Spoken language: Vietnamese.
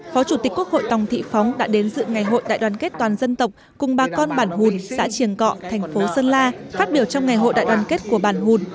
phó chủ tịch quốc hội tòng thị phóng đã đến dự ngày hội đại đoàn kết toàn dân tộc cùng bà con bản hùn xã triềng cọ thành phố sơn la phát biểu trong ngày hội đại đoàn kết của bản hùn